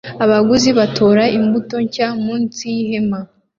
Abaguzi batora imbuto nshya munsi yihema